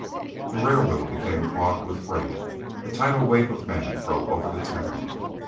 The railroad became clogged with freight, a tidal wave of men broke over the town.